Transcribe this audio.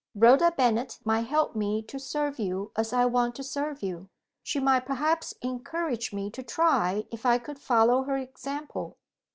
"Rhoda Bennet might help me to serve you as I want to serve you; she might perhaps encourage me to try if I could follow her example."